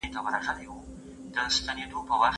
هیڅوک باید د خپل عمر له امله ونه رټل سي.